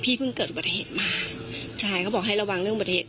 เพิ่งเกิดอุบัติเหตุมาใช่เขาบอกให้ระวังเรื่องอุบัติเหตุ